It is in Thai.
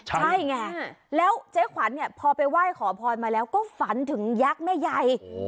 ใช่ไงแล้วเจ๊ขวัญเนี่ยพอไปไหว้ขอพรมาแล้วก็ฝันถึงยักษ์แม่ใหญ่